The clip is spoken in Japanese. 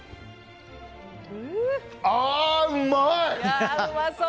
あー、うまい！